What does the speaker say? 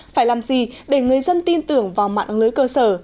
phải làm gì để người dân tin tưởng vào mạng lưới cơ sở